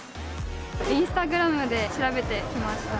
インスタグラムで調べてきました。